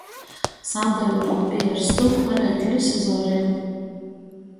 Sadyuru pierstu ar eglis zorim.